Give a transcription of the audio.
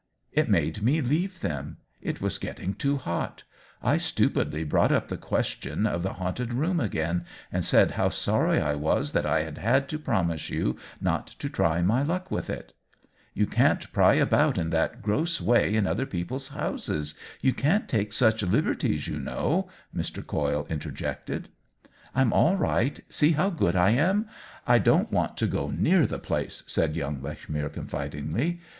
It made me leave them ; it was getting too hot. I stupidly brought up the question of the haunted room again, and said how sorry I was that I had had to promise you not to try my luck with it." " You can't pry about in that gross way in other people's houses — you can't take such liberties, you know !'' Mr. Coyle inter jected. " I'm all right — see how good I am. I don't want to go near the place !" said young Lechmere, confidingly.